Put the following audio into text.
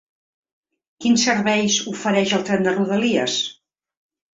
Quins serveis ofereix el tren de rodalies?